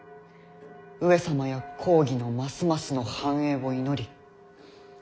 上様や公儀のますますの繁栄を祈り。